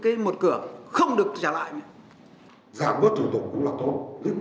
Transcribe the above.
giảm bớt thủ tục cũng là tốt nhưng chưa hành giảm bớt thủ tục